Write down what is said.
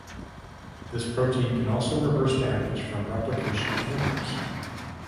This protein can also reverse damage from replication errors.